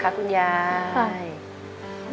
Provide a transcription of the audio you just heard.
ขอให้คุณยายหายป่วยนะคะ